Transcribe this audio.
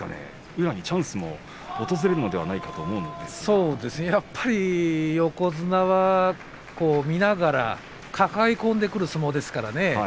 宇良にチャンスが訪れるのではやっぱり横綱は見ながら抱え込んでくる相撲ですからね。